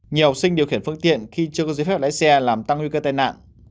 nhiều học sinh điều khiển phương tiện khi chưa có giấy phép lái xe làm tăng nguy cơ tai nạn